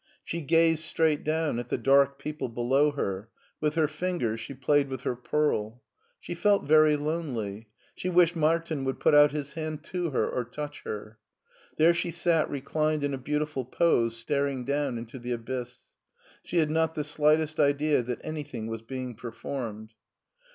She gazed straight down at the dark people below her : with her fingers she played with her pearl. She felt very lonely. She wished Martin would put out his hand to her or touch her. There she sat reclined in a beau tiful pose staring down into the abyss. She had not the slightest idea that anything was being performed.